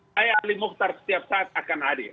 saya ali mukhtar setiap saat akan hadir